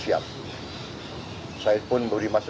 saya pun beri beberapa masukan beliau sangat terbuka menerimanya